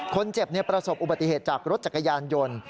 คนเจ็บประสบอุบัติเหตุจากรถจักรยานยนต์